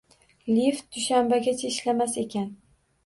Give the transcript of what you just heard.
Lift dushanbagacha ishlamas ekan.